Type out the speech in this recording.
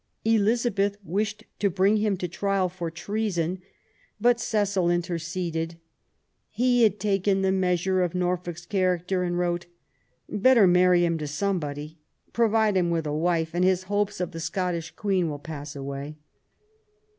Elizabeth wished to bring him to trial for treason, but Cecil interceded. He had taken the measure of Norfolk's character, and ELIZABETH AND MARY STUART, 119 wrote :Better marry him to somebody. Provide him with a wife and his hopes of the Scottish Queen will pass away."